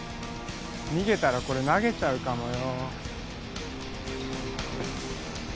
逃げたらこれ投げちゃうかもよ。